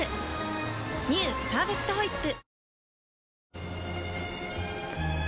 「パーフェクトホイップ」